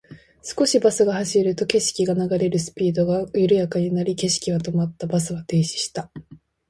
少しバスが走ると、景色が流れるスピードが緩やかになり、景色は止まった。バスは停止した。